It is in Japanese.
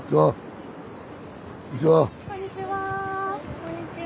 こんにちは。